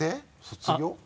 卒業？